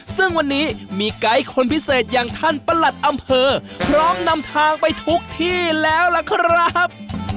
ซึ่งวันนี้มีไกด์คนพิเศษอย่างท่านประหลัดอำเภอพร้อมนำทางไปทุกที่แล้วล่ะครับ